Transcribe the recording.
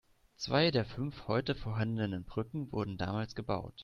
Zwei der fünf heute vorhandenen Brücken wurden damals gebaut.